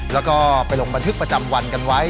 แล้วก็ไปลงบันทึกประจำวันกันไว้